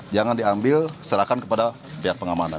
jangan diambil serahkan kepada pihak pengamanan